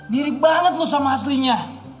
mirip sekali dengan aslinya